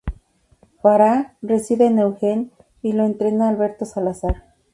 Farah reside en Eugene y lo entrena Alberto Salazar.